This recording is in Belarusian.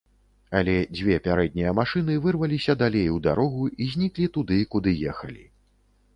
Але дзве пярэднія машыны вырваліся далей у дарогу і зніклі туды, куды ехалі.